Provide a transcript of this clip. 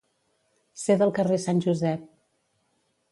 Ser del carrer Sant Josep.